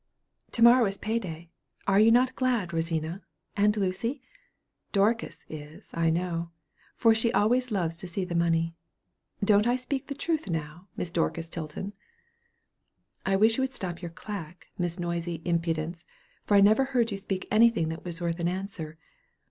"To morrow is pay day; are you not glad, Rosina, and Lucy? Dorcas is, I know; for she always loves to see the money. Don't I speak truth now, Miss Dorcas Tilton?" "I wish you would stop your clack, Miss Noisy Impudence; for I never heard you speak anything that was worth an answer.